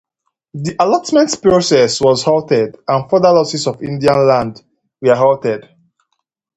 The allotment process was halted and further losses of Indian land were halted.